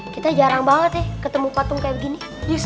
kita jarang banget ya ketemu patung kayak begini